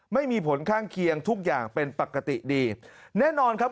ไม่มีผลข้างเคียงทุกอย่างเป็นปกติดีแน่นอนครับ